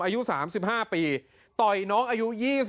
อายุ๓๕ปีต่อยน้องอายุ๒๒